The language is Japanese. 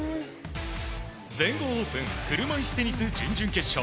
全豪オープン車いすテニス準々決勝。